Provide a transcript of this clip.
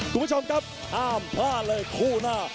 คุณผู้ชมครับห้ามพลาดเลยคู่หน้า